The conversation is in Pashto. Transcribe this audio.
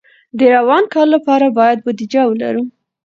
د روان کال لپاره باید بودیجه ولرو.